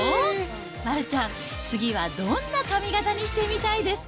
丸ちゃん、次はどんな髪形にしてみたいですか。